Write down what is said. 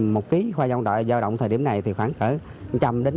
một kg khoa dòng đoại giao động thời điểm này khoảng một trăm linh một trăm một mươi ngàn đồng